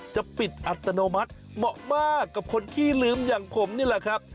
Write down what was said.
จะปิดอัตโนมัติเหมาะมากกับคนที่ลืมอย่างผมนี่แหละครับ